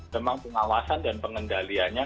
memang pengawasan dan pengendaliannya